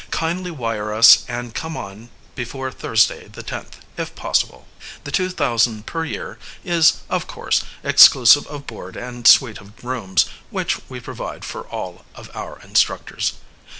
Kindly wire us and come on before Thursday the 10th, if possible. The two thousand per year is, of course, exclusive of board and suite of rooms, which, we provide for all of our instructors.